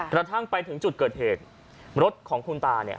กระทั่งไปถึงจุดเกิดเหตุรถของคุณตาเนี่ย